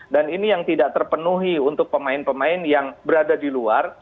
dan ini yang tidak terpenuhi untuk pemain pemain yang berada di luar